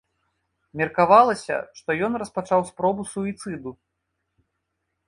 Меркавалася, што ён распачаў спробу суіцыду.